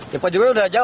ya pak jokowi udah jawab